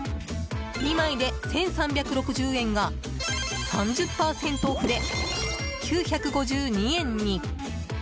２枚で１３６０円が３０％オフで９５２円に！